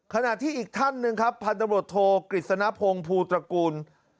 ขณะที่อีกท่านหนึ่งครับพันธบรวจโทกฤษณพงศ์ภูตระกูล